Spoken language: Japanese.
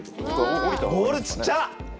ボールちっちゃ！